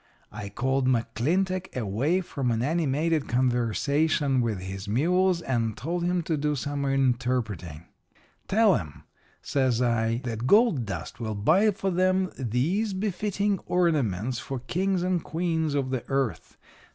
"I called McClintock away from an animated conversation with his mules and told him to do some interpreting. "'Tell 'em,' says I, 'that gold dust will buy for them these befitting ornaments for kings and queens of the earth.